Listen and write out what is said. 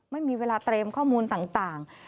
ไม่มีเวลาเตรียมข้อมูลต่าง